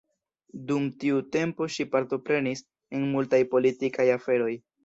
Dum tiu tempo ŝi partoprenis en multaj politikaj aferoj.